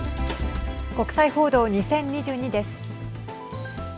国際報道２０２２です。